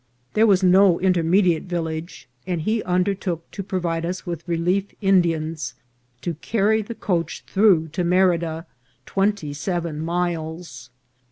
There was no intermediate village, and he undertook AN AMUSING INCIDENT. 459 to provide us with relief Indians to carry the coach through to Merida, twenty seven miles.